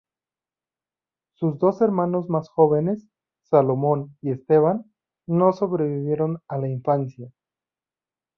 Sus dos hermanos más jóvenes —Salomón y Esteban— no sobrevivieron a la infancia.